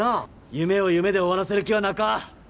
夢を夢で終わらせる気はなか。